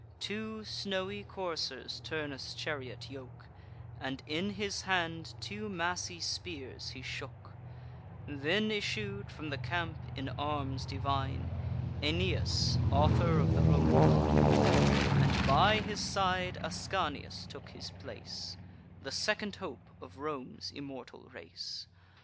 Two snowy coursers Turnus' chariot yoke, And in his hand two massy spears he shook: Then issued from the camp, in arms divine, Aeneas, author of the Roman line; And by his side Ascanius took his place, The second hope of Rome's immortal race.